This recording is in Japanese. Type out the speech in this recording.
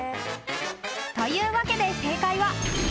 ［というわけで正解は］